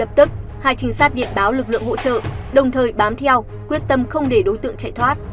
lập tức hai trình sát điện báo lực lượng hỗ trợ đồng thời bám theo quyết tâm không để đối tượng chạy thoát